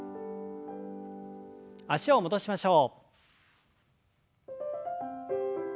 脚を戻しましょう。